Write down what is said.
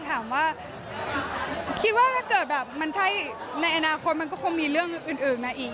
ถามว่าคิดว่าถ้าเกิดในอนาคตมันก็คงมีเรื่องอื่นมาอีก